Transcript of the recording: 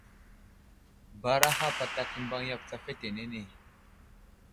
Baraha patak i mbaŋ yakw tsa fetenene.